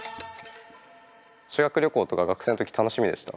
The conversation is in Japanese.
修学旅行とか学生の時楽しみでした？